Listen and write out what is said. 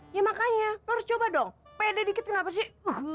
ya makanya lo harus coba dong pede dikit kenapa sih